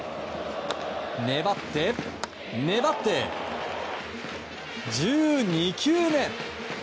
粘って、粘って１２球目。